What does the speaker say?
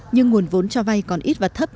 nhưng nguồn vốn cho vay còn ít và thấp